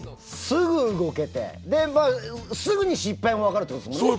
すぐ動けてでまあすぐに失敗も分かるってことですもんね。